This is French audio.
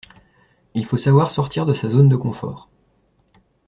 Il faut savoir sortir de sa zone de confort.